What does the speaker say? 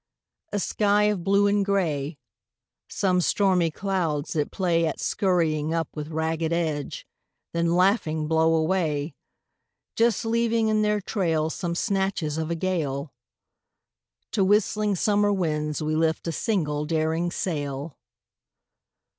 A sky of blue and grey; Some stormy clouds that play At scurrying up with ragged edge, then laughing blow away, Just leaving in their trail Some snatches of a gale; To whistling summer winds we lift a single daring sail.